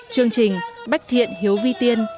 chương trình bách thiện hiếu vi tiên